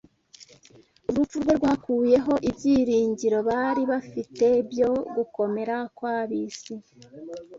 Urupfu rwe rwakuyeho ibyiringiro bari bafite byo gukomera kw’ab’isi